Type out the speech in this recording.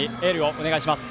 お願いします。